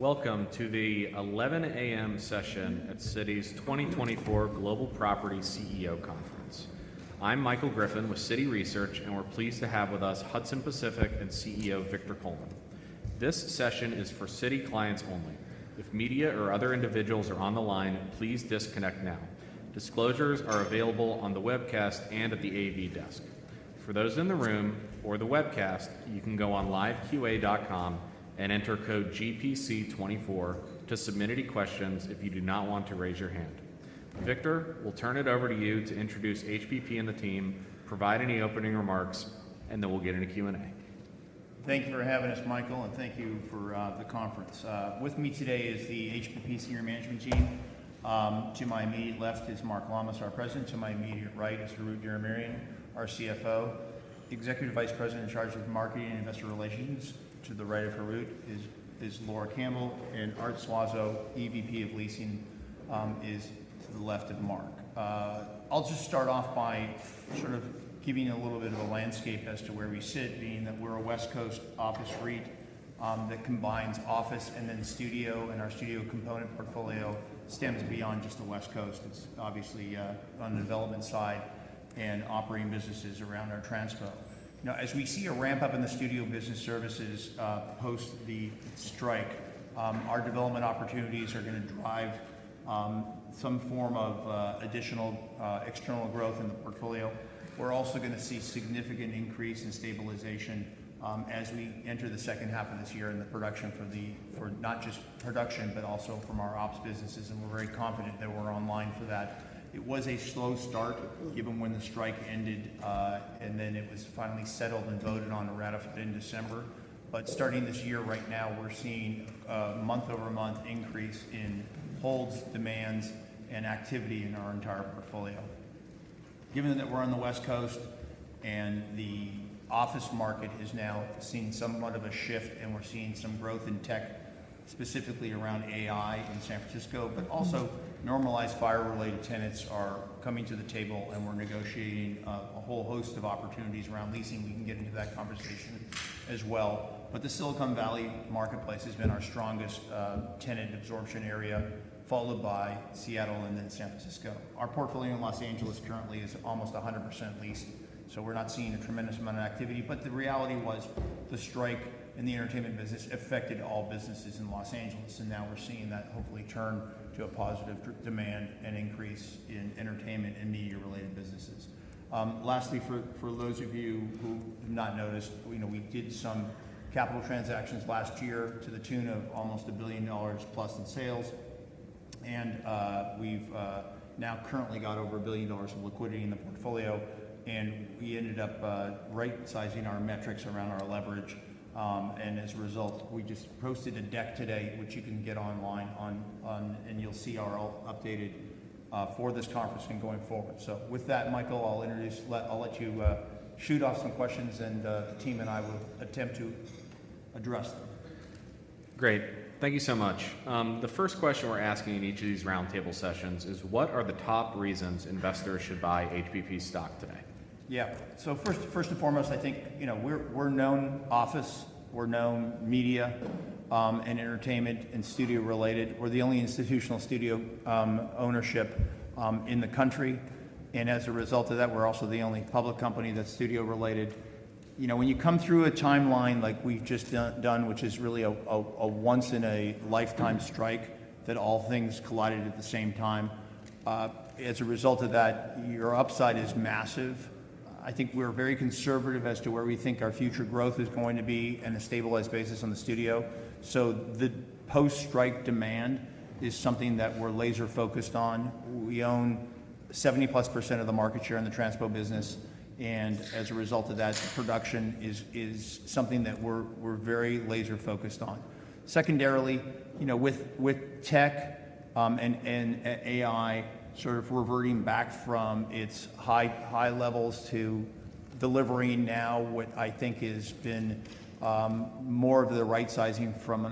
Welcome to the 11:00 A.M. session at Citi's 2024 Global Property CEO Conference. I'm Michael Griffin with Citi Research, and we're pleased to have with us Hudson Pacific and CEO Victor Coleman. This session is for Citi clients only. If media or other individuals are on the line, please disconnect now. Disclosures are available on the webcast and at the AV desk. For those in the room or the webcast, you can go on liveqa.com and enter code GPC24 to submit any questions if you do not want to raise your hand. Victor, we'll turn it over to you to introduce HPP and the team, provide any opening remarks, and then we'll get into Q&A. Thank you for having us, Michael, and thank you for the conference. With me today is the HPP senior management team. To my immediate left is Mark Lammas, our President. To my immediate right is Harout Diramerian, our CFO. Executive Vice President in charge of marketing and investor relations. To the right of Harout is Laura Campbell, and Arthur Suazo, EVP of leasing, is to the left of Mark. I'll just start off by sort of giving a little bit of a landscape as to where we sit, being that we're a West Coast office REIT that combines office and then studio, and our studio component portfolio stems beyond just the West Coast. It's obviously on the development side and operating businesses around our transpo. Now, as we see a ramp-up in the studio business services post the strike, our development opportunities are going to drive some form of additional external growth in the portfolio. We're also going to see significant increase in stabilization as we enter the second half of this year in the production for not just production but also from our ops businesses, and we're very confident that we're online for that. It was a slow start given when the strike ended, and then it was finally settled and voted on and ratified in December. But starting this year right now, we're seeing a month-over-month increase in holds, demands, and activity in our entire portfolio. Given that we're on the West Coast and the office market is now seeing somewhat of a shift, and we're seeing some growth in tech specifically around AI in San Francisco, but also normalized FIRE-related tenants are coming to the table, and we're negotiating a whole host of opportunities around leasing. We can get into that conversation as well. But the Silicon Valley marketplace has been our strongest tenant absorption area, followed by Seattle and then San Francisco. Our portfolio in Los Angeles currently is almost 100% leased, so we're not seeing a tremendous amount of activity. But the reality was the strike in the entertainment business affected all businesses in Los Angeles, and now we're seeing that hopefully turn to a positive demand and increase in entertainment and media-related businesses. Lastly, for those of you who have not noticed, we did some capital transactions last year to the tune of almost $1 billion plus in sales, and we've now currently got over $1 billion of liquidity in the portfolio. We ended up right sizing our metrics around our leverage, and as a result, we just posted a deck today, which you can get online, and you'll see our updated for this conference and going forward. So with that, Michael, I'll let you shoot off some questions, and the team and I will attempt to address them. Great. Thank you so much. The first question we're asking in each of these roundtable sessions is, what are the top reasons investors should buy HPP stock today? Yeah. So first and foremost, I think we're known office, we're known media, and entertainment and studio related. We're the only institutional studio ownership in the country, and as a result of that, we're also the only public company that's studio related. When you come through a timeline like we've just done, which is really a once-in-a-lifetime strike that all things collided at the same time, as a result of that, your upside is massive. I think we're very conservative as to where we think our future growth is going to be and a stabilized basis on the studio. So the post-strike demand is something that we're laser-focused on. We own 70%+ of the market share in the transpo business, and as a result of that, production is something that we're very laser-focused on. Secondarily, with tech and AI sort of reverting back from its high levels to delivering now what I think has been more of the rightsizing from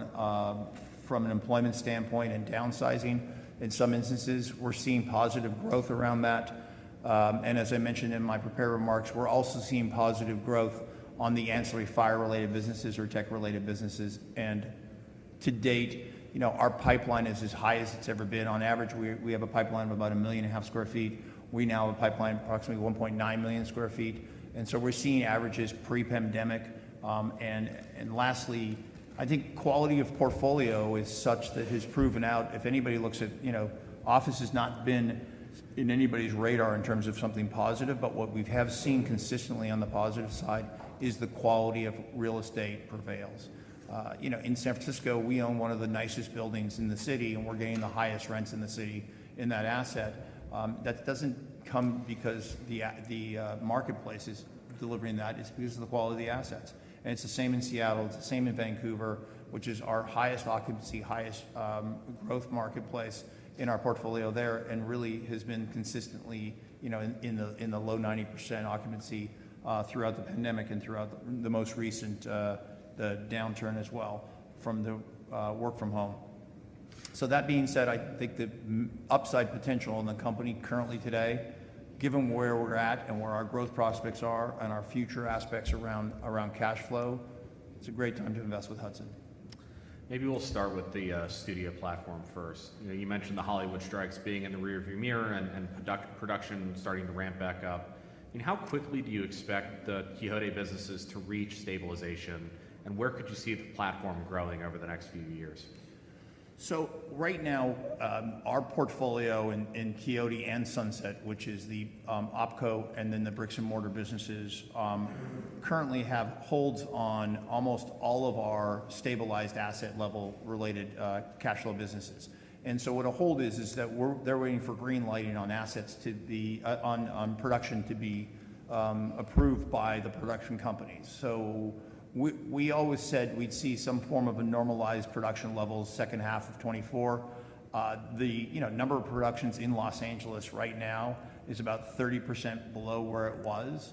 an employment standpoint and downsizing in some instances, we're seeing positive growth around that. And as I mentioned in my prepared remarks, we're also seeing positive growth on the ancillary FIRE-related businesses or tech-related businesses. And to date, our pipeline is as high as it's ever been. On average, we have a pipeline of about 1.5 million sq ft. We now have a pipeline of approximately 1.9 million sq ft, and so we're seeing averages pre-pandemic. Lastly, I think quality of portfolio is such that has proven out if anybody looks at office has not been in anybody's radar in terms of something positive, but what we have seen consistently on the positive side is the quality of real estate prevails. In San Francisco, we own one of the nicest buildings in the city, and we're getting the highest rents in the city in that asset. That doesn't come because the marketplace is delivering that. It's because of the quality of the assets. And it's the same in Seattle. It's the same in Vancouver, which is our highest occupancy, highest growth marketplace in our portfolio there, and really has been consistently in the low 90% occupancy throughout the pandemic and throughout the most recent downturn as well from the work from home. So that being said, I think the upside potential in the company currently today, given where we're at and where our growth prospects are and our future aspects around cash flow, it's a great time to invest with Hudson. Maybe we'll start with the studio platform first. You mentioned the Hollywood strikes being in the rearview mirror and production starting to ramp back up. How quickly do you expect the Quixote businesses to reach stabilization, and where could you see the platform growing over the next few years? So right now, our portfolio in Quixote and Sunset, which is the Opco and then the bricks and mortar businesses, currently have holds on almost all of our stabilized asset-level-related cash flow businesses. And so what a hold is, is that they're waiting for green lighting on assets to be on production to be approved by the production companies. So we always said we'd see some form of a normalized production level second half of 2024. The number of productions in Los Angeles right now is about 30% below where it was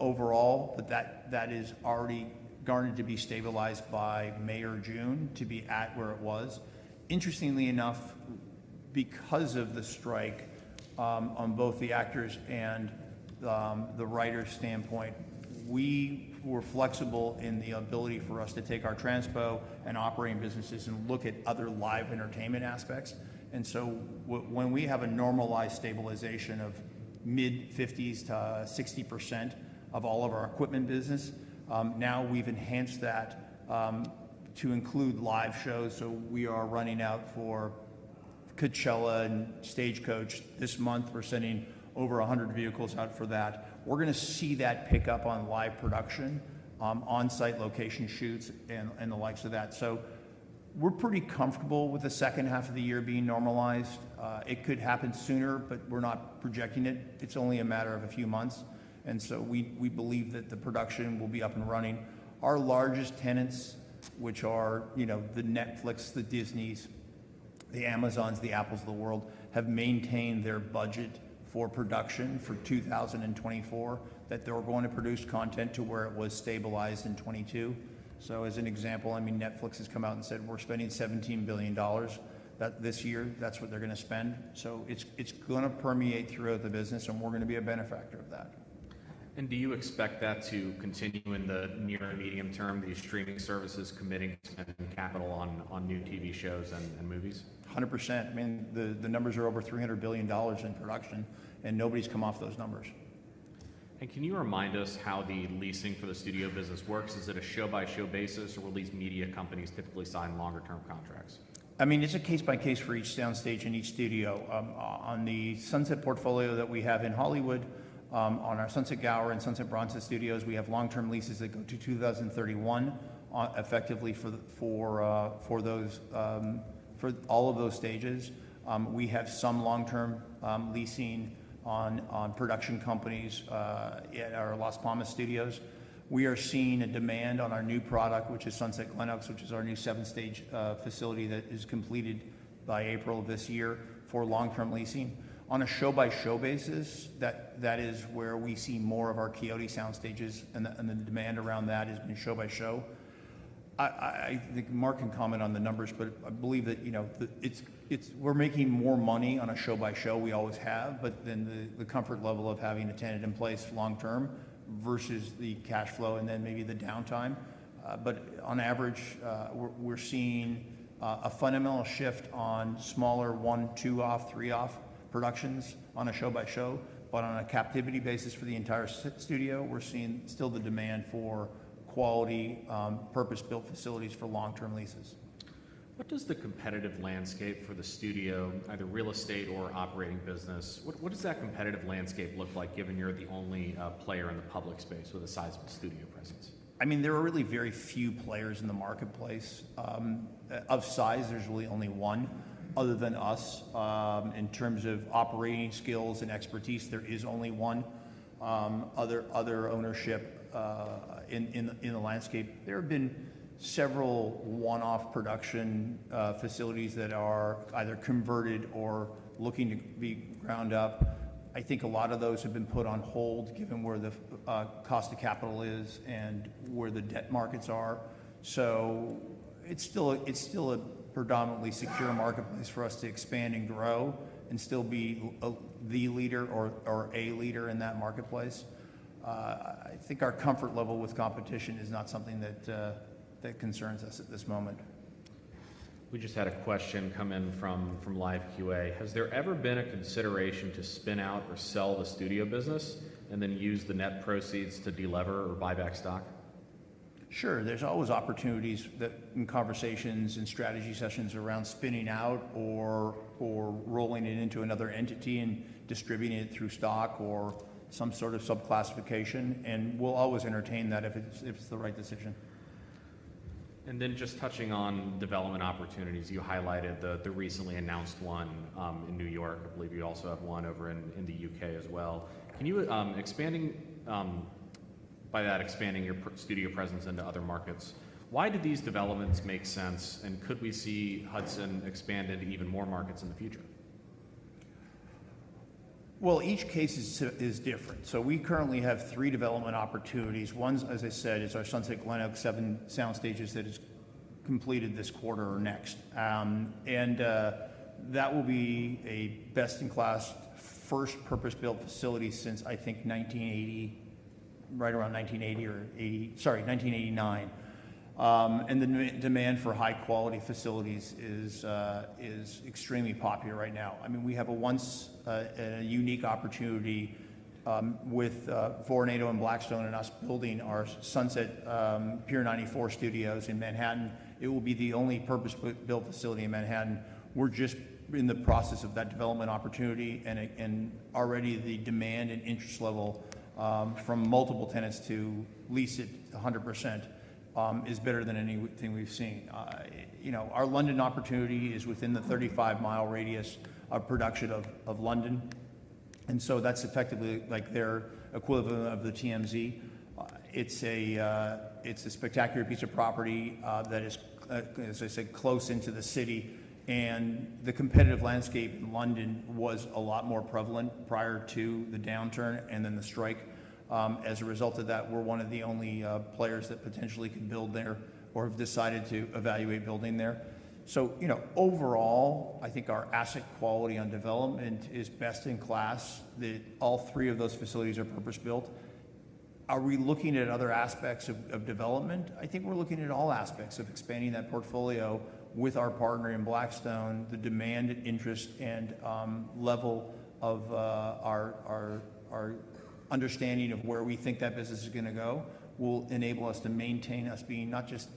overall, but that is already garnered to be stabilized by May or June to be at where it was. Interestingly enough, because of the strike, on both the actors and the writer's standpoint, we were flexible in the ability for us to take our transpo and operating businesses and look at other live entertainment aspects. When we have a normalized stabilization of mid-50s-60% of all of our equipment business, now we've enhanced that to include live shows. So we are running out for Coachella and Stagecoach this month. We're sending over 100 vehicles out for that. We're going to see that pick up on live production, on-site location shoots, and the likes of that. So we're pretty comfortable with the second half of the year being normalized. It could happen sooner, but we're not projecting it. It's only a matter of a few months. We believe that the production will be up and running. Our largest tenants, which are the Netflix, the Disney's, the Amazons, the Apples of the world, have maintained their budget for production for 2024 that they were going to produce content to where it was stabilized in 2022. So as an example, I mean, Netflix has come out and said, "We're spending $17 billion this year. That's what they're going to spend." So it's going to permeate throughout the business, and we're going to be a benefactor of that. Do you expect that to continue in the near and medium term, the streaming services committing to spending capital on new TV shows and movies? 100%. I mean, the numbers are over $300 billion in production, and nobody's come off those numbers. Can you remind us how the leasing for the studio business works? Is it a show-by-show basis, or will these media companies typically sign longer-term contracts? I mean, it's a case by case for each soundstage and each studio. On the Sunset portfolio that we have in Hollywood, on our Sunset Gower Studios and Sunset Bronson Studios, we have long-term leases that go to 2031 effectively for all of those stages. We have some long-term leasing on production companies at our Las Palmas Studios. We are seeing a demand on our new product, which is Sunset Glenoaks, which is our new seven stage facility that is completed by April of this year for long-term leasing. On a show-by-show basis, that is where we see more of our Quixote soundstages, and the demand around that has been show-by-show. I think Mark can comment on the numbers, but I believe that we're making more money on a show-by-show. We always have, but then the comfort level of having a tenant in place long-term versus the cash flow and then maybe the downtime. But on average, we're seeing a fundamental shift on smaller one, two-off, three-off productions on a show-by-show. But on a capacity basis for the entire studio, we're seeing still the demand for quality purpose-built facilities for long-term leases. What does the competitive landscape for the studio, either real estate or operating business? What does that competitive landscape look like, given you're the only player in the public space with a sizable studio presence? I mean, there are really very few players in the marketplace of size. There's really only one other than us. In terms of operating skills and expertise, there is only one other ownership in the landscape. There have been several one-off production facilities that are either converted or looking to be ground up. I think a lot of those have been put on hold given where the cost of capital is and where the debt markets are. So it's still a predominantly secure marketplace for us to expand and grow and still be the leader or a leader in that marketplace. I think our comfort level with competition is not something that concerns us at this moment. We just had a question come in from live QA. Has there ever been a consideration to spin out or sell the studio business and then use the net proceeds to delever or buy back stock? Sure. There's always opportunities in conversations and strategy sessions around spinning out or rolling it into another entity and distributing it through stock or some sort of subclassification. We'll always entertain that if it's the right decision. And then just touching on development opportunities, you highlighted the recently announced one in New York. I believe you also have one over in the UK as well. By that, expanding your studio presence into other markets, why did these developments make sense, and could we see Hudson expand into even more markets in the future? Well, each case is different. So we currently have three development opportunities. One, as I said, is our Sunset Glenoaks seven soundstages that has completed this quarter or next. That will be a best-in-class first purpose-built facility since, I think, 1980, right around 1980 or sorry, 1989. The demand for high-quality facilities is extremely popular right now. I mean, we have a once and a unique opportunity with Vornado and Blackstone and us building our Sunset Pier 94 Studios in Manhattan. It will be the only purpose-built facility in Manhattan. We're just in the process of that development opportunity, and already the demand and interest level from multiple tenants to lease it 100% is better than anything we've seen. Our London opportunity is within the 35-mile radius of production of London. So that's effectively their equivalent of the TMZ. It's a spectacular piece of property that is, as I said, close into the city. The competitive landscape in London was a lot more prevalent prior to the downturn and then the strike. As a result of that, we're one of the only players that potentially could build there or have decided to evaluate building there. Overall, I think our asset quality on development is best-in-class, that all three of those facilities are purpose-built. Are we looking at other aspects of development? I think we're looking at all aspects of expanding that portfolio with our partner in Blackstone. The demand and interest and level of our understanding of where we think that business is going to go will enable us to maintain us being not just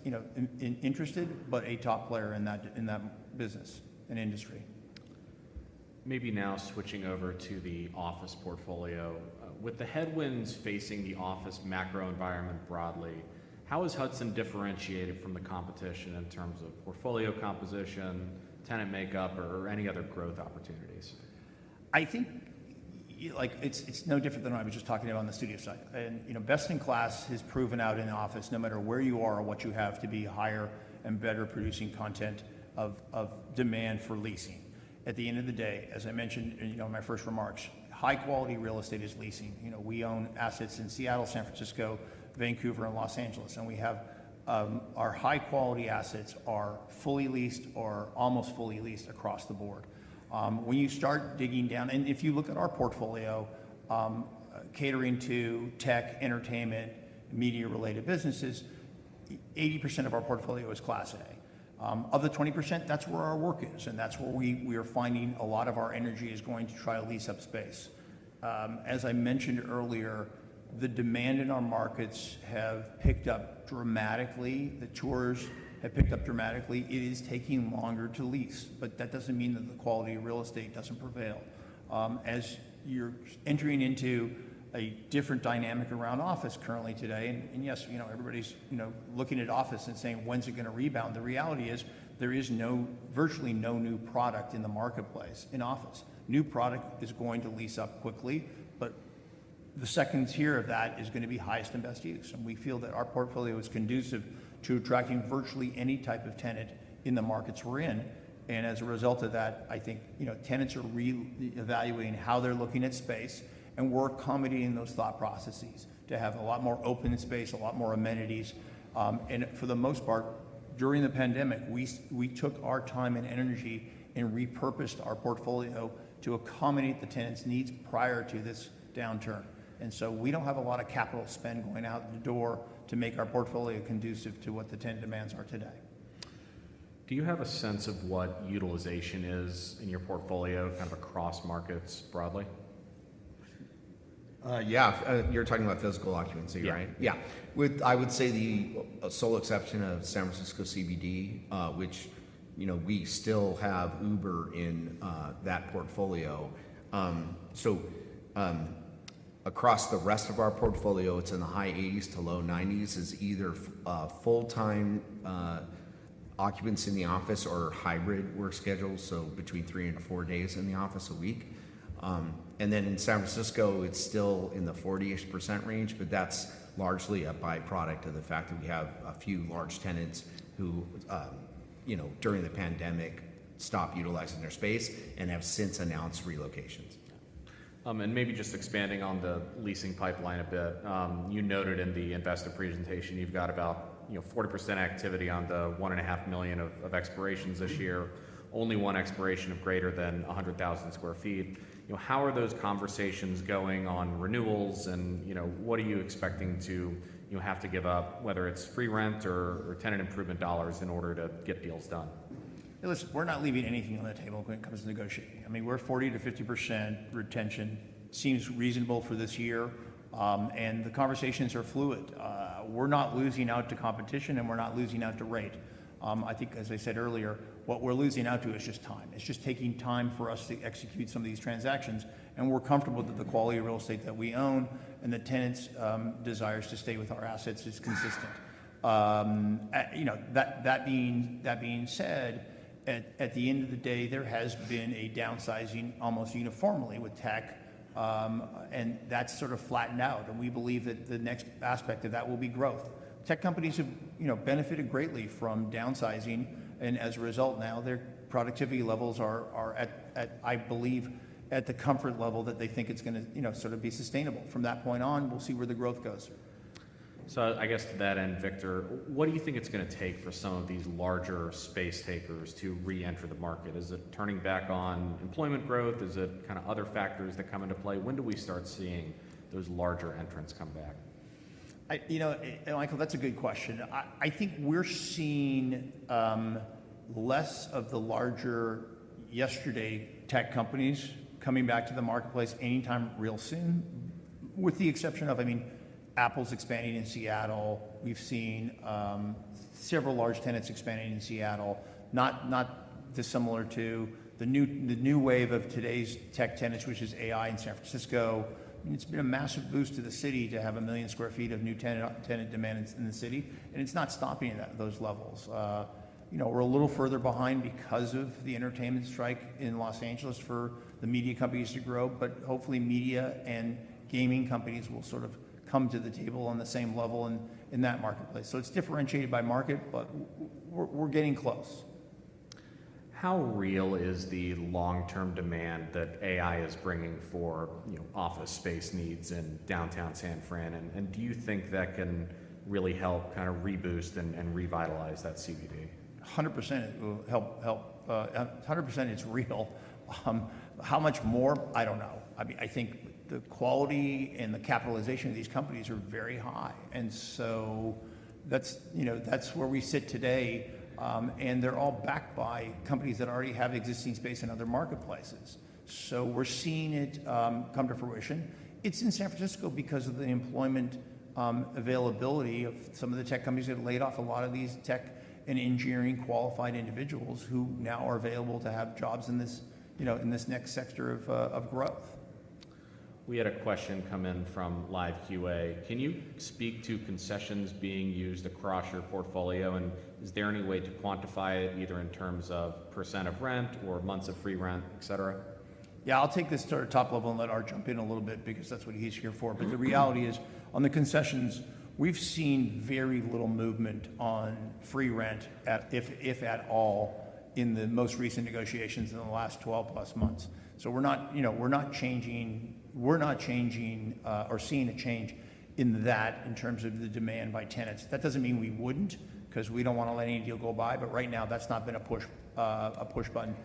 interested but a top player in that business and industry. Maybe now switching over to the office portfolio. With the headwinds facing the office macro environment broadly, how is Hudson differentiated from the competition in terms of portfolio composition, tenant makeup, or any other growth opportunities? I think it's no different than what I was just talking about on the studio side. And best in class has proven out in the office, no matter where you are or what you have, to be higher and better producing content of demand for leasing. At the end of the day, as I mentioned in my first remarks, high-quality real estate is leasing. We own assets in Seattle, San Francisco, Vancouver, and Los Angeles. And our high-quality assets are fully leased or almost fully leased across the board. When you start digging down and if you look at our portfolio catering to tech, entertainment, media-related businesses, 80% of our portfolio is Class A. Of the 20%, that's where our work is, and that's where we are finding a lot of our energy is going to try to lease up space. As I mentioned earlier, the demand in our markets have picked up dramatically. The tours have picked up dramatically. It is taking longer to lease, but that doesn't mean that the quality of real estate doesn't prevail. As you're entering into a different dynamic around office currently today and yes, everybody's looking at office and saying, "When's it going to rebound?" The reality is there is virtually no new product in the marketplace in office. New product is going to lease up quickly, but the second tier of that is going to be highest and best use. We feel that our portfolio is conducive to attracting virtually any type of tenant in the markets we're in. As a result of that, I think tenants are reevaluating how they're looking at space, and we're accommodating those thought processes to have a lot more open space, a lot more amenities. For the most part, during the pandemic, we took our time and energy and repurposed our portfolio to accommodate the tenants' needs prior to this downturn. So we don't have a lot of capital spend going out the door to make our portfolio conducive to what the tenant demands are today. Do you have a sense of what utilization is in your portfolio kind of across markets broadly? Yeah. You're talking about physical occupancy, right? Yeah. Yeah. I would say the sole exception of San Francisco CBD, which we still have Uber in that portfolio. So across the rest of our portfolio, it's in the high-80s low-90s either full-time occupants in the office or hybrid work schedules, so between three and four days in the office a week. And then in San Francisco, it's still in the 40-ish% range, but that's largely a byproduct of the fact that we have a few large tenants who, during the pandemic, stopped utilizing their space and have since announced relocations. Maybe just expanding on the leasing pipeline a bit. You noted in the investor presentation you've got about 40% activity on the 1.5 million of expirations this year, only one expiration of greater than 100,000 sq ft. How are those conversations going on renewals, and what are you expecting to have to give up, whether it's free rent or tenant improvement dollars, in order to get deals done? Listen, we're not leaving anything on the table when it comes to negotiating. I mean, we're 40%-50% retention seems reasonable for this year, and the conversations are fluid. We're not losing out to competition, and we're not losing out to rate. I think, as I said earlier, what we're losing out to is just time. It's just taking time for us to execute some of these transactions, and we're comfortable that the quality of real estate that we own and the tenant's desires to stay with our assets is consistent. That being said, at the end of the day, there has been a downsizing almost uniformly with tech, and that's sort of flattened out. And we believe that the next aspect of that will be growth. Tech companies have benefited greatly from downsizing, and as a result, now their productivity levels are, I believe, at the comfort level that they think it's going to sort of be sustainable. From that point on, we'll see where the growth goes. I guess to that end, Victor, what do you think it's going to take for some of these larger space takers to reenter the market? Is it turning back on employment growth? Is it kind of other factors that come into play? When do we start seeing those larger entrants come back? Michael, that's a good question. I think we're seeing less of the larger yesterday tech companies coming back to the marketplace anytime real soon, with the exception of, I mean, Apple's expanding in Seattle. We've seen several large tenants expanding in Seattle, not dissimilar to the new wave of today's tech tenants, which is AI in San Francisco. I mean, it's been a massive boost to the city to have 1 million sq ft of new tenant demand in the city, and it's not stopping at those levels. We're a little further behind because of the entertainment strike in Los Angeles for the media companies to grow, but hopefully, media and gaming companies will sort of come to the table on the same level in that marketplace. So it's differentiated by market, but we're getting close. How real is the long-term demand that AI is bringing for office space needs in downtown San Francisco? And do you think that can really help kind of reboost and revitalize that CBD? 100%. It will help. 100%, it's real. How much more? I don't know. I mean, I think the quality and the capitalization of these companies are very high. And so that's where we sit today, and they're all backed by companies that already have existing space in other marketplaces. So we're seeing it come to fruition. It's in San Francisco because of the employment availability of some of the tech companies that laid off a lot of these tech and engineering qualified individuals who now are available to have jobs in this next sector of growth. We had a question come in from live QA. Can you speak to concessions being used across your portfolio? And is there any way to quantify it either in terms of percent of rent or months of free rent, etc.? Yeah. I'll take this to the top level and let Harout jump in a little bit because that's what he's here for. But the reality is, on the concessions, we've seen very little movement on free rent, if at all, in the most recent negotiations in the last 12-plus months. So we're not changing or seeing a change in that in terms of the demand by tenants. That doesn't mean we wouldn't because we don't want to let any deal go by, but right now, that's not been a push button.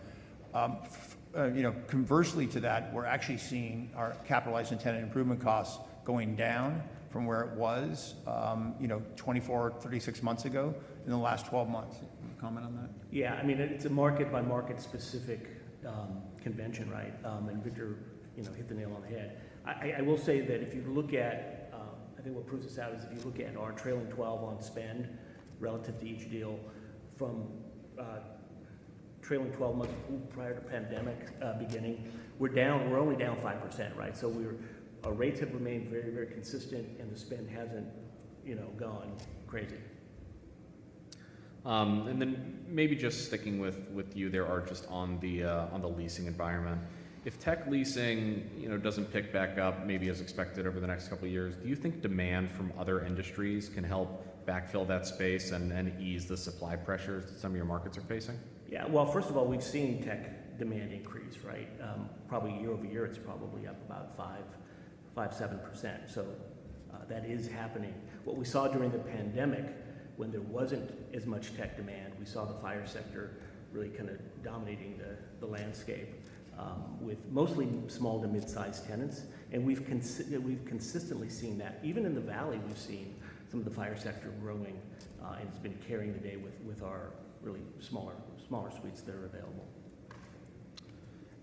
Conversely to that, we're actually seeing our capitalized and tenant improvement costs going down from where it was 24, 36 months ago in the last 12 months. Comment on that? Yeah. I mean, it's a market-by-market specific convention, right? Victor hit the nail on the head. I will say that if you look at I think what proves this out is if you look at our trailing 12-month spend relative to each deal from trailing 12 months prior to pandemic beginning, we're only down 5%, right? Our rates have remained very, very consistent, and the spend hasn't gone crazy. And then maybe just sticking with you there, Arthur, on the leasing environment, if tech leasing doesn't pick back up maybe as expected over the next couple of years, do you think demand from other industries can help backfill that space and ease the supply pressures that some of your markets are facing? Yeah. Well, first of all, we've seen tech demand increase, right? Year-over-year, it's probably up about 5%-7%. So that is happening. What we saw during the pandemic, when there wasn't as much tech demand, we saw the FIRE sector really kind of dominating the landscape with mostly small to midsize tenants. And we've consistently seen that. Even in the Valley, we've seen some of the FIRE sector growing, and it's been carrying the day with our really smaller suites that are available.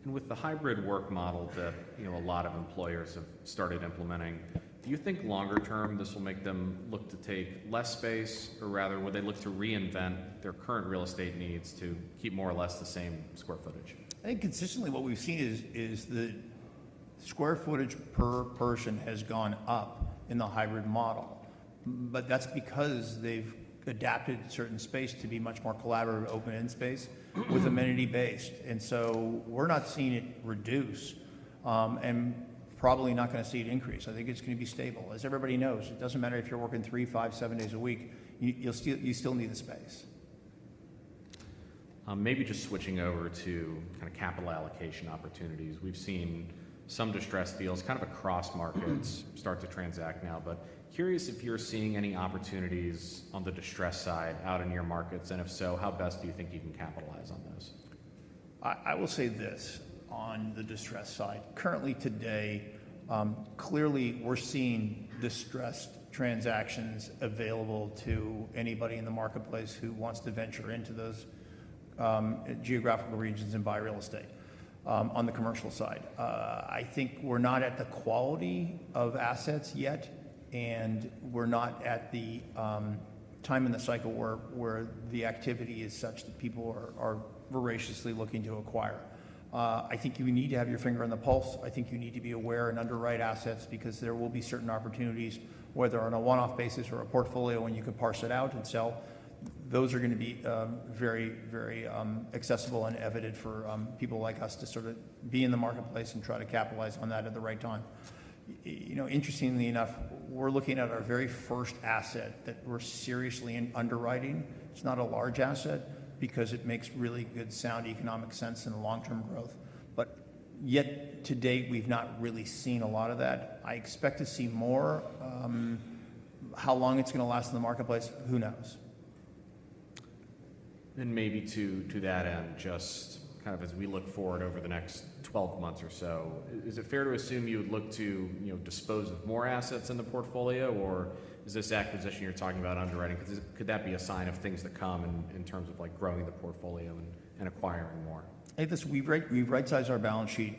With the hybrid work model that a lot of employers have started implementing, do you think longer-term, this will make them look to take less space, or rather, will they look to reinvent their current real estate needs to keep more or less the same square footage? I think consistently, what we've seen is the square footage per person has gone up in the hybrid model, but that's because they've adapted certain space to be much more collaborative, open-end space with amenity based. And so we're not seeing it reduce and probably not going to see it increase. I think it's going to be stable. As everybody knows, it doesn't matter if you're working three, five, seven days a week. You still need the space. Maybe just switching over to kind of capital allocation opportunities, we've seen some distressed deals kind of across markets start to transact now, but curious if you're seeing any opportunities on the distressed side out in your markets. If so, how best do you think you can capitalize on those? I will say this on the distressed side. Currently today, clearly, we're seeing distressed transactions available to anybody in the marketplace who wants to venture into those geographical regions and buy real estate on the commercial side. I think we're not at the quality of assets yet, and we're not at the time in the cycle where the activity is such that people are voraciously looking to acquire. I think you need to have your finger on the pulse. I think you need to be aware and underwrite assets because there will be certain opportunities, whether on a one-off basis or a portfolio, when you can parse it out and sell. Those are going to be very, very accessible and coveted for people like us to sort of be in the marketplace and try to capitalize on that at the right time. Interestingly enough, we're looking at our very first asset that we're seriously underwriting. It's not a large asset because it makes really good sound economic sense and long-term growth. But yet to date, we've not really seen a lot of that. I expect to see more. How long it's going to last in the marketplace, who knows? Maybe to that end, just kind of as we look forward over the next 12 months or so, is it fair to assume you would look to dispose of more assets in the portfolio, or is this acquisition you're talking about underwriting? Could that be a sign of things to come in terms of growing the portfolio and acquiring more? I think we've right sized our balance sheet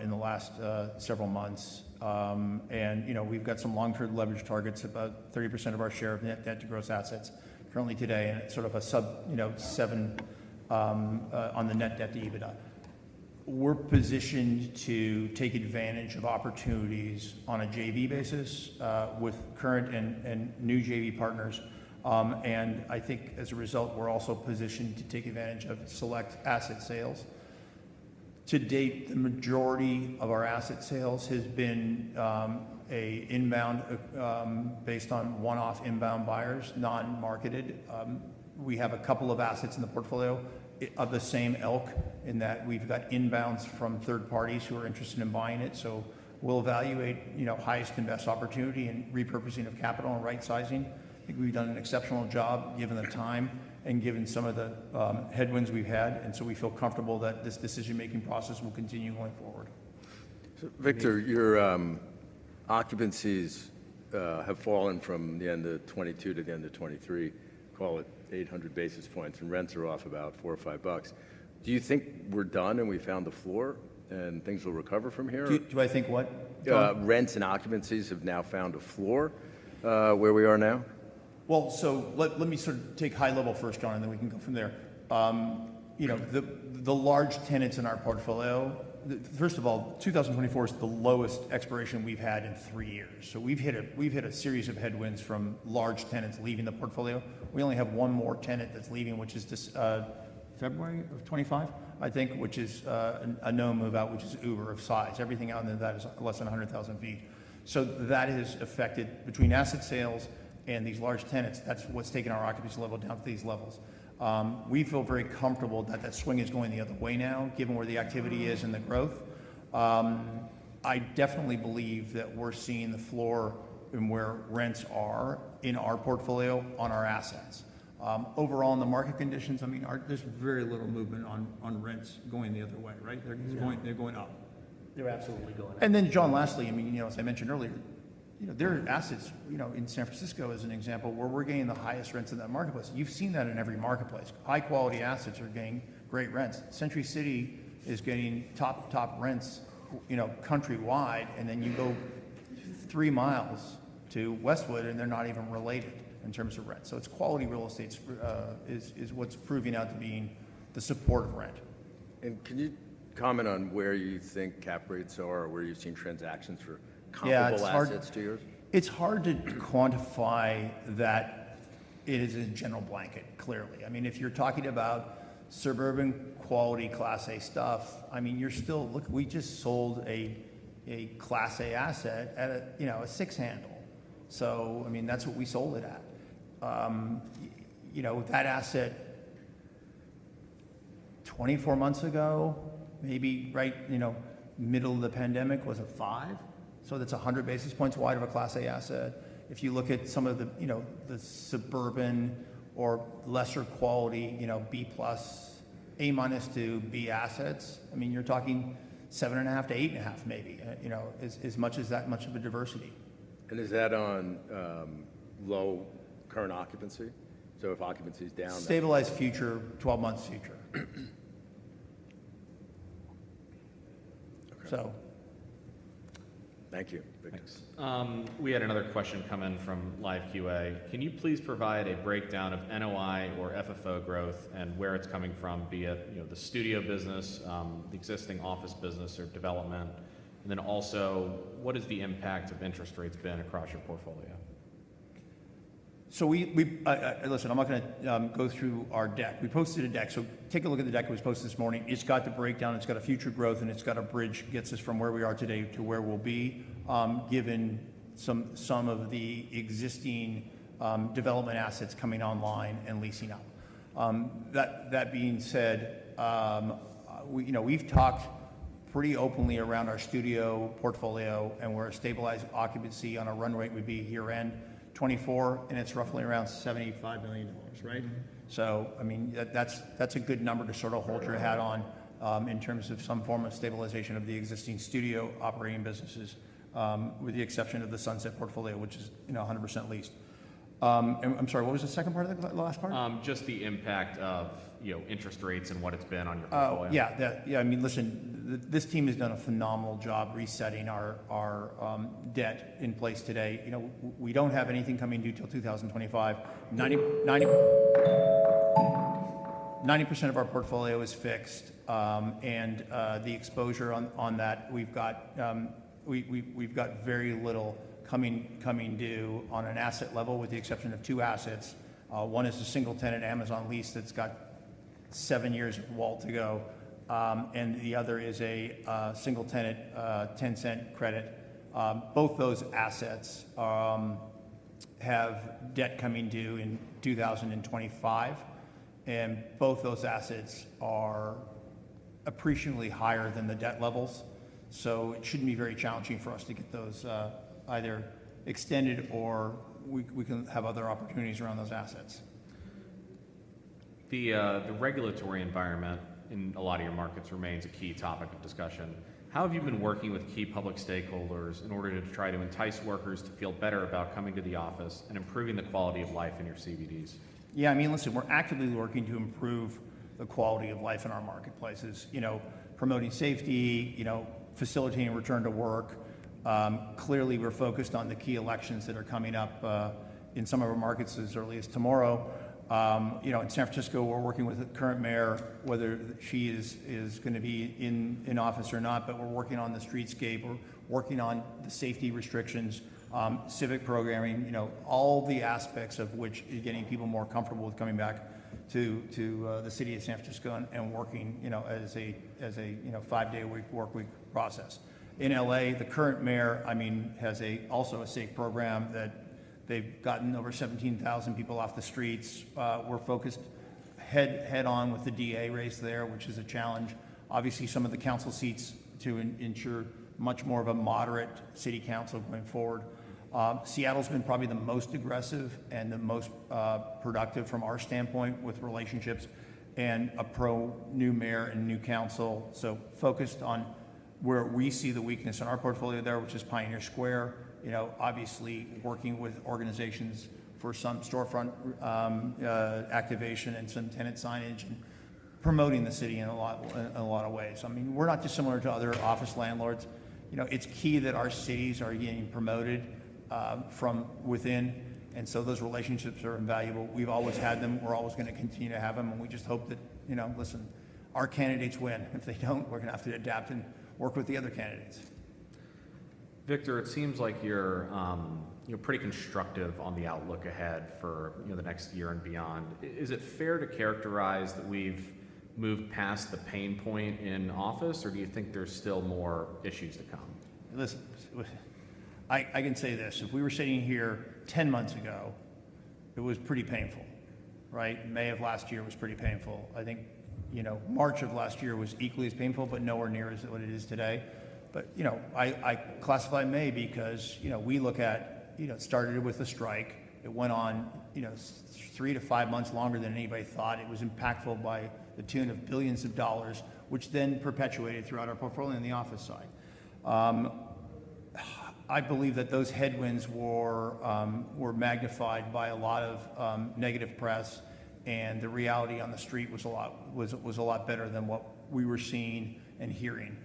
in the last several months, and we've got some long-term leverage targets, about 30% of our share of net debt to gross assets currently today, and it's sort of a sub seven on the net debt to EBITDA. We're positioned to take advantage of opportunities on a JV basis with current and new JV partners. And I think, as a result, we're also positioned to take advantage of select asset sales. To date, the majority of our asset sales has been inbound based on one-off inbound buyers, non-marketed. We have a couple of assets in the portfolio of the same ilk in that we've got inbounds from third parties who are interested in buying it. So we'll evaluate highest and best opportunity and repurposing of capital and right-sizing. I think we've done an exceptional job given the time and given some of the headwinds we've had. So we feel comfortable that this decision-making process will continue going forward. Victor, your occupancies have fallen from the end of 2022 to the end of 2023, call it 800 basis points, and rents are off about $4-$5. Do you think we're done and we found the floor and things will recover from here? Do I think what? Rents and occupancies have now found a floor where we are now? Well, so let me sort of take high level first, John, and then we can go from there. The large tenants in our portfolio, first of all, 2024 is the lowest expiration we've had in three years. So we've hit a series of headwinds from large tenants leaving the portfolio. We only have one more tenant that's leaving, which is February. '25? I think, which is a no move out, which is Uber of size. Everything out of that is less than 100,000 sq ft. So that has affected between asset sales and these large tenants. That's what's taken our occupancy level down to these levels. We feel very comfortable that that swing is going the other way now, given where the activity is and the growth. I definitely believe that we're seeing the floor in where rents are in our portfolio on our assets. Overall, in the market conditions, I mean, there's very little movement on rents going the other way, right? They're going up. They're absolutely going up. Then, John, lastly, I mean, as I mentioned earlier, there are assets in San Francisco, as an example, where we're getting the highest rents in that marketplace. You've seen that in every marketplace. High-quality assets are getting great rents. Century City is getting top rents countrywide, and then you go three miles to Westwood, and they're not even related in terms of rent. So it's quality real estate is what's proving out to being the support of rent. Can you comment on where you think cap rates are or where you've seen transactions for comparable assets to yours? It's hard to quantify that. It is a general blanket, clearly. I mean, if you're talking about suburban quality Class A stuff, I mean, we just sold a Class A asset at a six-handle. So, I mean, that's what we sold it at. That asset, 24 months ago, maybe right middle of the pandemic, was a five. So that's 100 basis points wide of a Class A asset. If you look at some of the suburban or lesser quality B-plus, A-minus to B assets, I mean, you're talking 7.5-8.5, maybe, as much of a diversity. Is that on low current occupancy? So if occupancy is down. Stabilized future, 12-month future. So. Thank you, Victor. We had another question come in from live QA. Can you please provide a breakdown of NOI or FFO growth and where it's coming from, be it the studio business, the existing office business or development? And then also, what has the impact of interest rates been across your portfolio? So listen, I'm not going to go through our deck. We posted a deck. So take a look at the deck that was posted this morning. It's got the breakdown. It's got a future growth, and it's got a bridge that gets us from where we are today to where we'll be given some of the existing development assets coming online and leasing up. That being said, we've talked pretty openly around our studio portfolio, and where a stabilized occupancy on a run rate would be year-end 2024, and it's roughly around $75 million, right? So, I mean, that's a good number to sort of hold your hat on in terms of some form of stabilization of the existing studio operating businesses, with the exception of the Sunset portfolio, which is 100% leased. And I'm sorry, what was the second part of the last part? Just the impact of interest rates and what it's been on your portfolio? Oh, yeah. Yeah. I mean, listen, this team has done a phenomenal job resetting our debt in place today. We don't have anything coming due till 2025. 90% of our portfolio is fixed. The exposure on that, we've got very little coming due on an asset level, with the exception of two assets. One is a single-tenant Amazon lease that's got seven years left to go, and the other is a single-tenant Tencent credit. Both those assets have debt coming due in 2025, and both those assets are appreciably higher than the debt levels. It shouldn't be very challenging for us to get those either extended or we can have other opportunities around those assets. The regulatory environment in a lot of your markets remains a key topic of discussion. How have you been working with key public stakeholders in order to try to entice workers to feel better about coming to the office and improving the quality of life in your CBDs? Yeah. I mean, listen, we're actively working to improve the quality of life in our marketplaces, promoting safety, facilitating return to work. Clearly, we're focused on the key elections that are coming up in some of our markets as early as tomorrow. In San Francisco, we're working with the current mayor, whether she is going to be in office or not, but we're working on the streetscape. We're working on the safety restrictions, civic programming, all the aspects of which is getting people more comfortable with coming back to the city of San Francisco and working as a five-day workweek process. In LA, the current mayor, I mean, has also a safe program that they've gotten over 17,000 people off the streets. We're focused head-on with the DA race there, which is a challenge. Obviously, some of the council seats to ensure much more of a moderate city council going forward. Seattle's been probably the most aggressive and the most productive from our standpoint with relationships and a pro-new mayor and new council. So focused on where we see the weakness in our portfolio there, which is Pioneer Square, obviously working with organizations for some storefront activation and some tenant signage and promoting the city in a lot of ways. I mean, we're not dissimilar to other office landlords. It's key that our cities are getting promoted from within, and so those relationships are invaluable. We've always had them. We're always going to continue to have them, and we just hope that, listen, our candidates win. If they don't, we're going to have to adapt and work with the other candidates. Victor, it seems like you're pretty constructive on the outlook ahead for the next year and beyond. Is it fair to characterize that we've moved past the pain point in office, or do you think there's still more issues to come? Listen, I can say this. If we were sitting here 10 months ago, it was pretty painful, right? May of last year was pretty painful. I think March of last year was equally as painful, but nowhere near as what it is today. But I classify May because we look at it started with a strike. It went on three to five months longer than anybody thought. It was impactful by the tune of billions of dollars, which then perpetuated throughout our portfolio on the office side. I believe that those headwinds were magnified by a lot of negative press, and the reality on the street was a lot better than what we were seeing and hearing.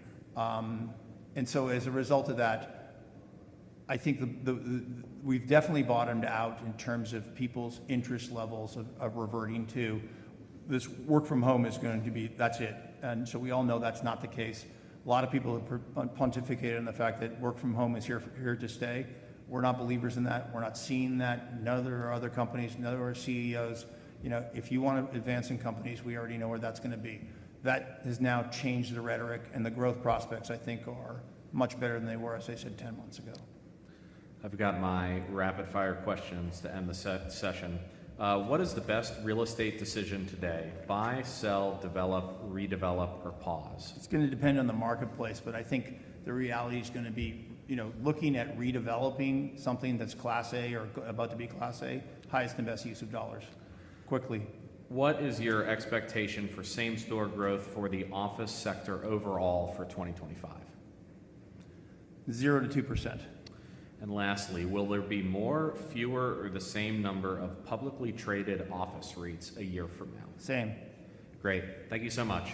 And so as a result of that, I think we've definitely bottomed out in terms of people's interest levels of reverting to this work from home is going to be that's it. And so we all know that's not the case. A lot of people have pontificated on the fact that work from home is here to stay. We're not believers in that. We're not seeing that. Neither are other companies. Neither are CEOs. If you want to advance in companies, we already know where that's going to be. That has now changed the rhetoric, and the growth prospects, I think, are much better than they were, as I said, 10 months ago. I've got my rapid-fire questions to end the session. What is the best real estate decision today: buy, sell, develop, redevelop, or pause? It's going to depend on the marketplace, but I think the reality is going to be looking at redeveloping something that's Class A or about to be Class A, highest and best use of dollars, quickly. What is your expectation for same-store growth for the office sector overall for 2025? 0%-2%. Lastly, will there be more, fewer, or the same number of publicly traded office REITs a year from now? Same. Great. Thank you so much.